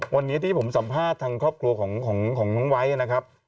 วันนี้ที่ผมสัมภาษณ์ทางครอบครัวของน้องไว้นะครับ